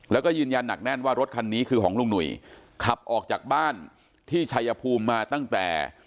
แล้วก็ยืนยันหนักแน่นว่ารถคันนี้คือของลุงหนุ่ยขับออกจากบ้านที่ชัยภูมิมาตั้งแต่